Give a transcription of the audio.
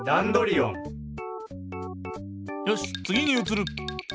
よしつぎにうつる。